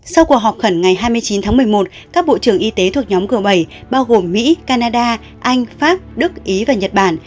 sau cuộc họp khẩn ngày hai mươi chín tháng một mươi một các bộ trưởng y tế thuộc nhóm g bảy bao gồm mỹ canada anh pháp đức ý và nhật bản